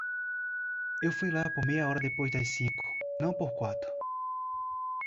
Eu fui lá por meia hora depois das cinco, não por quatro.